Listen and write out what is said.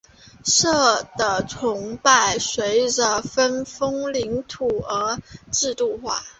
社的崇拜随着分封领土而制度化。